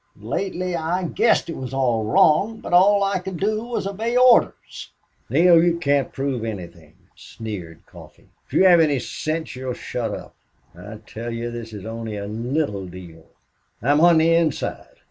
Lately I guessed it was all wrong. But all I could do was obey orders." "Neale, you can't prove anything," sneered Coffee. "If you have any sense you'll shut up. I tell you this is only a LITTLE deal. I'm on the inside.